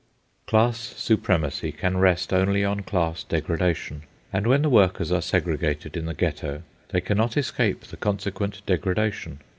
Class supremacy can rest only on class degradation; and when the workers are segregated in the Ghetto, they cannot escape the consequent degradation.